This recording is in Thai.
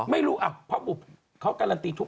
ไม่รู้เพราะบุบเค้าการาตรีถูกออก